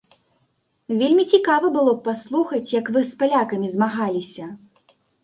Вельмі цікава было б паслухаць, як вы з палякамі змагаліся.